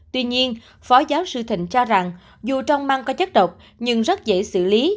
tuy nhiên phó giáo sư thịnh cho rằng dù trong măng có chất độc nhưng rất dễ xử lý